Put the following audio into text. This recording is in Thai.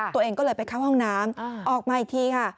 ตัวเองก็เลยไปเข้าห้องน้ำออกมาอีกทีค่ะ